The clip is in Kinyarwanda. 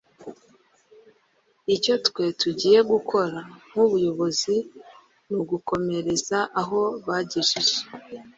icyo twe tugiye gukora nk’ubuyobozi ni ugukomereza aho bagejeje”